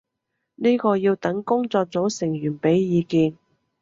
呢個要等工作組成員畀意見